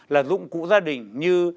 là dụng cụ gia đình như